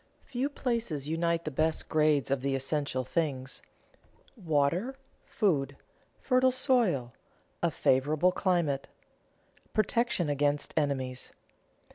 Few places unite the best grades of the essential things: water, food, fertile soil, a favorable climate, protection against enemies.